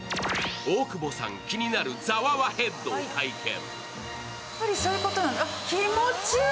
大久保さん、気になるザワワヘッドを体験。